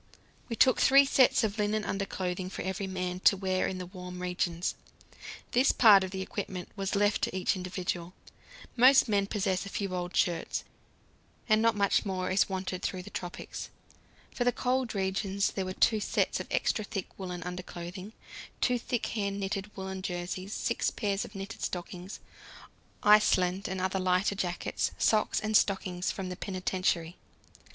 We took three sets of linen underclothing for every man, to wear in the warm regions. This part of the equipment was left to each individual; most men possess a few old shirts, and not much more is wanted through the tropics. For the cold regions there were two sets of extra thick woollen underclothing, two thick hand knitted woollen jerseys, six pairs of knitted stockings, Iceland and other lighter jackets, socks and stockings from the penitentiary.